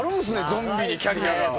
ゾンビにキャリアが。